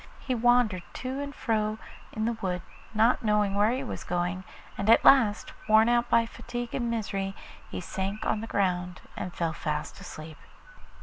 He wandered to and fro in the wood, not knowing where he was going, and at last, worn out by fatigue and misery, he sank on the ground and fell fast asleep.